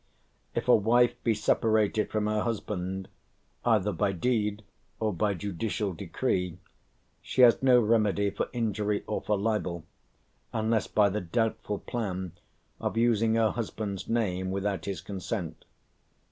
If a wife be separated from her husband, either by deed or by judicial decree, she has no remedy for injury or for libel, unless by the doubtful plan of using her husband's name without his consent.